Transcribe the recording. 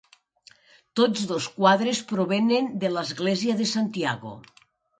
Tots dos quadres provenen de l'església de Santiago.